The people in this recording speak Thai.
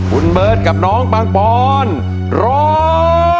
คุณเบิร์ตกับน้องปังปอนร้อง